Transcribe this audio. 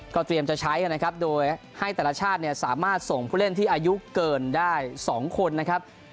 เตรียมจะใช้นะครับโดยให้แต่ละชาติเนี่ยสามารถส่งผู้เล่นที่อายุเกินได้๒คนนะครับ